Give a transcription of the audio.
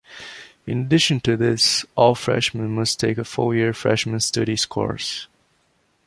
In addition to this, all freshmen must take a full year Freshman Studies course.